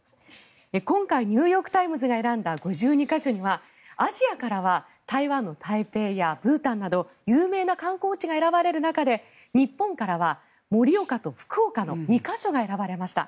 今回、ニューヨーク・タイムズが選んだ５２か所にはアジアからは台湾の台北やブータンなど有名な観光地が選ばれる中で日本からは盛岡と福岡の２か所が選ばれました。